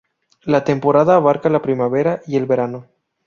La temporada abarca la primavera y el verano.